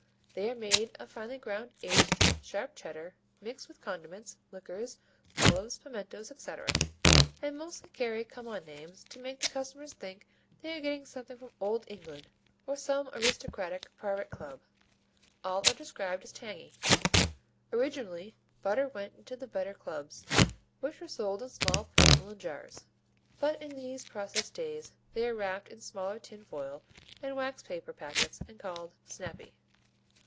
They are made of finely ground aged, sharp Cheddar mixed with condiments, liquors, olives, pimientos, etc., and mostly carry come on names to make the customers think they are getting something from Olde England or some aristocratic private club. All are described as "tangy." Originally butter went into the better clubs which were sold in small porcelain jars, but in these process days they are wrapped in smaller tin foil and wax paper packets and called "snappy."